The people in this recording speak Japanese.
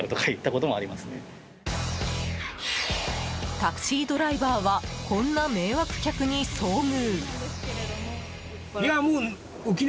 タクシードライバーはこんな迷惑客に遭遇。